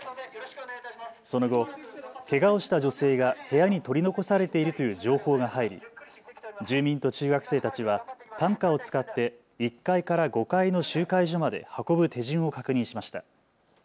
その後、けがをした女性が部屋に取り残されているという情報が入り住民と中学生たちは担架を使って１階から５階の集会所まで運ぶ手順を確認しました。